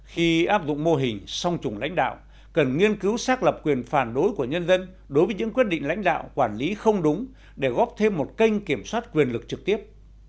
khi áp dụng mô hình song trùng lãnh đạo cần nghiên cứu xác lập quyền phản đối của nhân dân đối với những quyết định lãnh đạo quản lý không đúng để góp thêm một kênh kiểm soát quyền lực trực tiếp